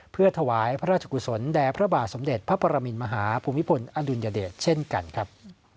เพื่อถวายพระราชกุศลแด่พระบาทสมเด็จพระปรมินมหาภูมิพลอดุลยเดชเช่นกันครับ